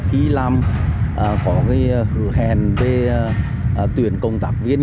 theo mô hình công ty